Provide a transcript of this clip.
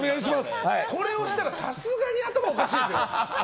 これをしたら、さすがに頭おかしいぞ。